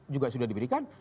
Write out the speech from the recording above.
juga sudah diberikan